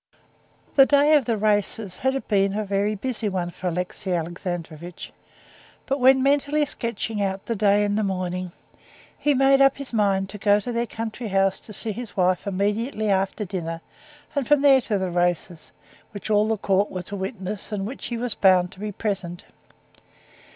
The day of the races had been a very busy day for Alexey Alexandrovitch; but when mentally sketching out the day in the morning, he made up his mind to go to their country house to see his wife immediately after dinner, and from there to the races, which all the Court were to witness, and at which he was bound to be present.